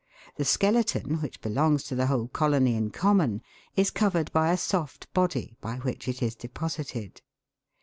The skeleton, which belongs to the whole colony in common, is covered by a soft body by which it is deposited.